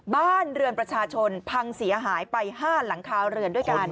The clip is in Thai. บ้านเรือนประชาชนพังเสียหายไป๕หลังคาเรือนด้วยกัน